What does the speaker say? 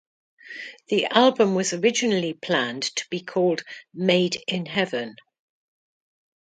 The album was originally planned to be called "Made in Heaven".